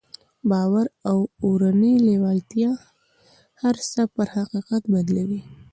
باور او اورنۍ لېوالتیا هر څه پر حقيقت بدلوي.